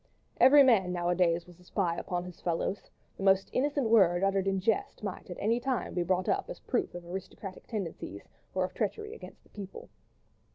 Every man nowadays was a spy upon his fellows: the most innocent word uttered in jest might at any time be brought up as a proof of aristocratic tendencies, or of treachery against the people.